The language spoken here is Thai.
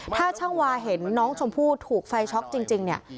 ถ้าช่างวาเห็นน้องชมพู่ถูกไฟช็อกจริงเนี่ย